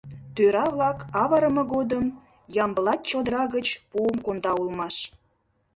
Тӧра-влак авырыме годым Ямблат чодыра гыч пуым конда улмаш.